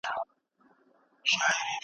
د اهليت له کمال څخه څه مراد دی؟